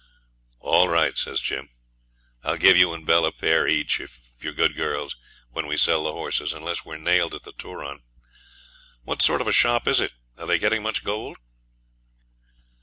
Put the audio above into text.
'All right,' says Jim. 'I'll give you and Bell a pair each, if you're good girls, when we sell the horses, unless we're nailed at the Turon. What sort of a shop is it? Are they getting much gold?'